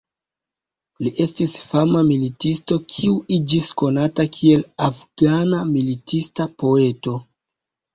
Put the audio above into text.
Li estis fama militisto kiu iĝis konata kiel "Afgana militista poeto".